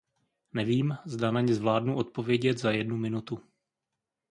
Nevím, zda na ně zvládnu odpovědět za jednu minutu.